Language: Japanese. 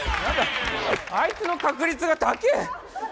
あいつの確率が高え！